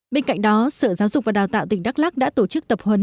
bên cạnh đó sở giáo dục và đào tạo tỉnh đắk lắc đã tổ chức tập huấn